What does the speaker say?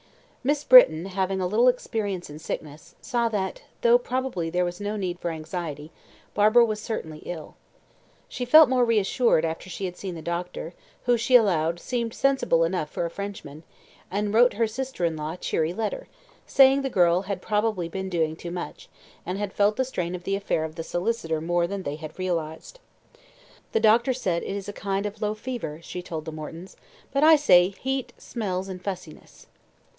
Miss Britton having had a little experience in sickness, saw that, though probably there was no need for anxiety, Barbara was certainly ill. She felt more reassured after she had seen the doctor, who she allowed "seemed sensible enough for a Frenchman," and wrote her sister in law a cheery letter, saying the girl had probably been doing too much, and had felt the strain of the affair of the "solicitor" more than they had realised. "The doctor says it is a kind of low fever," she told the Mortons; "but I say, heat, smells, and fussiness."